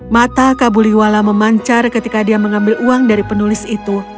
mata kabuliwala memancar ketika dia mengambil uang dari penulis itu